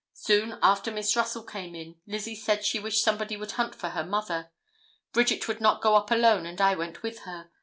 Soon after Miss Russell came in Lizzie said she wished somebody would hunt for her mother. Bridget would not go up alone and I went with her.